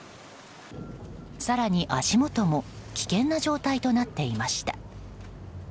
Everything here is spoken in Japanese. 更に足元も危険な状態となっていました。